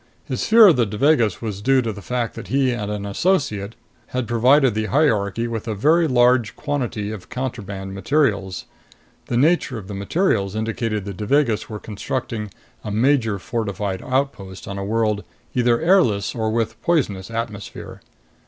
His fear of the Devagas was due to the fact that he and an associate had provided the hierarchy with a very large quantity of contraband materials. The nature of the materials indicated the Devagas were constructing a major fortified outpost on a world either airless or with poisonous atmosphere.